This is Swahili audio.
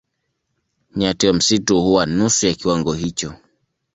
Nyati wa msitu huwa nusu ya kiwango hicho.